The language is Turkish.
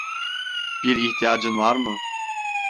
Bir ihtiyacın var mı?